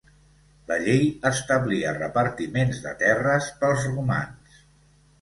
La llei establia repartiments de terres pels romans.